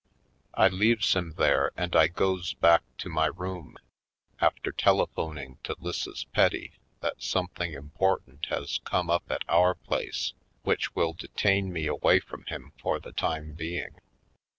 I leaves him there and I goes back to my room, after telephoning to 'Lisses Petty that something important has come up at our place which will detain me away from him for the time being.